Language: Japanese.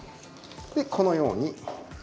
でこのように。